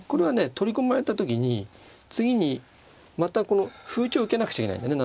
取り込まれた時に次にまたこの歩打ちを受けなくちゃいけないんだね